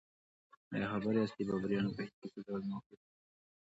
ایا خبر یاست بابریانو په هند کې څه ډول موقعیت درلود؟